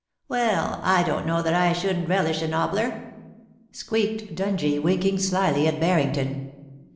'Well, I don't know that I shouldn't relish a nobbier/ squeaked Dungie, winking slyly at Harrington.